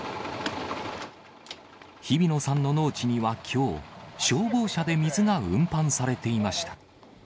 日比野さんの農地にはきょう、消防車で水が運搬されていました。